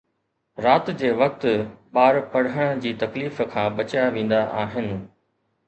رات جي وقت، ٻار پڙهڻ جي تڪليف کان بچيا ويندا آهن